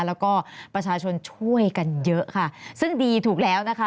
แล้วก็ประชาชนช่วยกันเยอะค่ะซึ่งดีถูกแล้วนะคะ